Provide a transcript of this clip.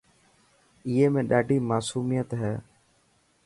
اي ۾ ڏاڏي ماصوميت هي.